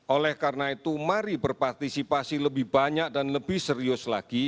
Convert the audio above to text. oleh karena itu mari berpartisipasi lebih banyak dan lebih serius lagi